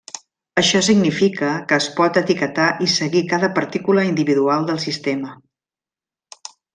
Això significa que es pot etiquetar i seguir cada partícula individual del sistema.